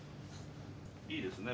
いいですね